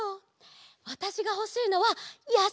わたしがほしいのはやさいなの。